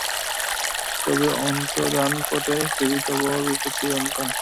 তব অন্তর্ধানপটে হেরি তব রূপ চিরন্তন।